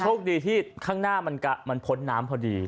โชคดีที่ข้างหน้ามันพ้นน้ำพอดี